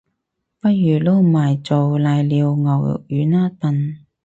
不如撈埋做瀨尿牛丸吖笨